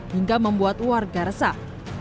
hingga membuat warga resah